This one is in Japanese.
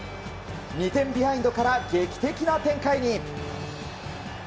２点ビハインドから劇的な展開に。